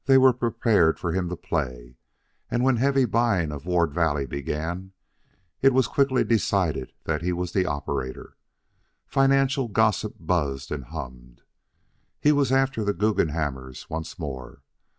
They were prepared for him to play, and, when heavy buying of Ward Valley began, it was quickly decided that he was the operator. Financial gossip buzzed and hummed. He was after the Guggenhammers once more.